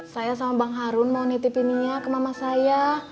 saya sama bang harun mau nitipinnya ke mama saya